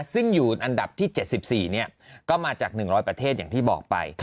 ซึ่งอยู่อันดับที่๗๔ก็มาจาก๑๐๐ประเทศอย่างที่บอกไป